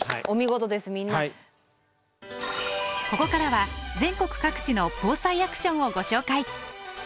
ここからは全国各地の「ＢＯＳＡＩアクション」をご紹介！